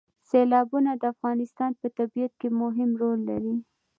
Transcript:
سیلابونه د افغانستان په طبیعت کې مهم رول لري.